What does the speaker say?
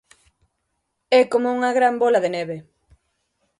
É como unha gran bola de neve.